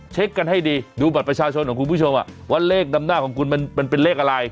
เช็คกันให้ดีดูบัตรประชาชนของคุณผู้ชมว่าเลขดำหน้าของคุณมันเป็นเลขอะไร